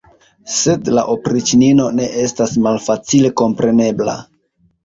Sed la opriĉnino ne estas malfacile komprenebla.